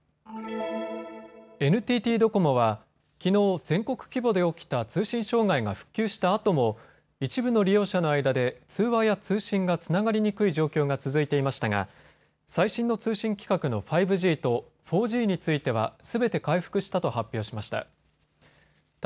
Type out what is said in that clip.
ＮＴＴドコモはきのう、全国規模で起きた通信障害が復旧したあとも一部の利用者の間で通話や通信がつながりにくい状況が続いていましたが最新の通信規格の５Ｇと４Ｇについてはすべて回復したと発表しました。